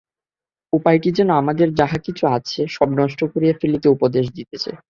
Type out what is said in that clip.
উপায়টি যেন আমাদের যাহা কিছু আছে, সবই নষ্ট করিয়া ফেলিতে উপদেশ দিতেছে।